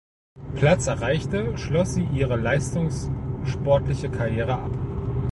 Platz erreichte, schloss sie ihre leistungssportliche Karriere ab.